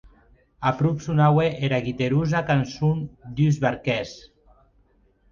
Aprop sonaue era guiterosa cançon d’uns barquèrs.